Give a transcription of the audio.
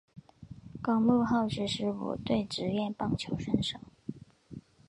高木浩之西武队职业棒球选手。